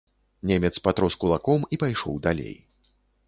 Немец патрос кулаком і пайшоў далей.